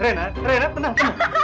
renan renan tenang